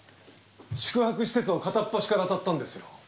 宿泊施設を片っ端から当たったんですよ。